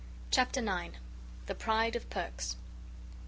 Chapter IX. The pride of Perks.